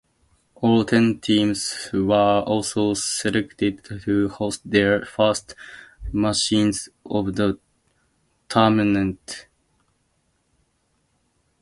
All ten teams were also selected to host their first matches of the tournament.